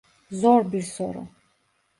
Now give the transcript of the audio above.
Zor bir soru.